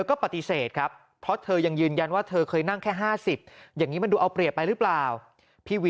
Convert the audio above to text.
ขอบคุณครับ